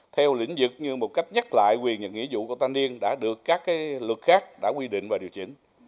theo lĩnh vực như một cách nhắc lại quyền và nghĩa vụ của thanh niên đã được các luật khác đã quy định và điều chỉnh